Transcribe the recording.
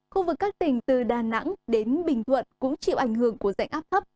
khu vực các tỉnh từ đà nẵng đến bình thuận cũng chịu ảnh hưởng của dạnh áp thấp